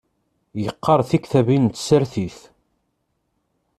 Yeqqaṛ tiktabin n tsertit